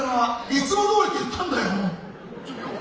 いつも通りって言ったんだよ！